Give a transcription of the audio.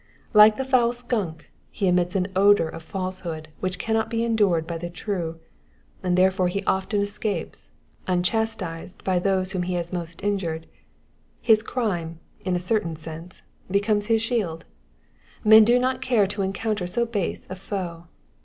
Like the foul skunk, ho emits an odour of falsehood which cannot be endured by the true ; and therefore he often escapes, unchastised by those whom he has most injured. His crime, in a certain sense, becomes his shield ; men do not care to encounter so base a foe.